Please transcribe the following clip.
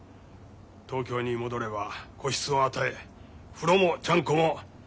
東京に戻れば個室を与え風呂もちゃんこも全部関取からだ。